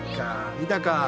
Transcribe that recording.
見たか。